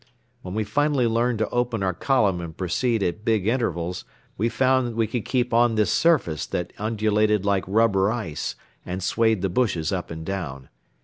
When we finally learned to open our column and proceed at big intervals, we found we could keep on this surface that undulated like rubber ice and swayed the bushes up and down.